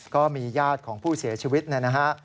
ก็มีญาติของผู้เสียชีวิตนะครับ